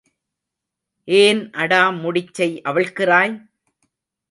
ஏன் அடா முடிச்சை அவிழ்க்கிறாய்?